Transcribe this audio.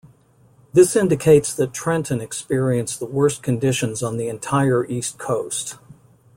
This indicates that Trenton experienced the worst conditions on the entire East Coast.